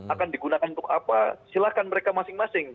akan digunakan untuk apa silahkan mereka masing masing